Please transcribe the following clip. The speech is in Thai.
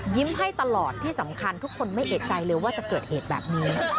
ให้ตลอดที่สำคัญทุกคนไม่เอกใจเลยว่าจะเกิดเหตุแบบนี้